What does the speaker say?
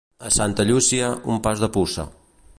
A Santa Llúcia, un pas de puça.